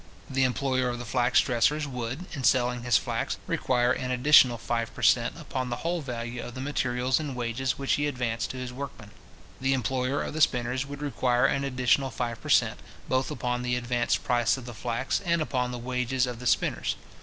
The employer of the flax dressers would, in selling his flax, require an additional five per cent. upon the whole value of the materials and wages which he advanced to his workmen. The employer of the spinners would require an additional five per cent. both upon the advanced price of the flax, and upon the wages of the spinners.